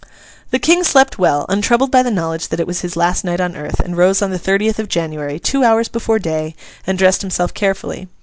The King slept well, untroubled by the knowledge that it was his last night on earth, and rose on the thirtieth of January, two hours before day, and dressed himself carefully.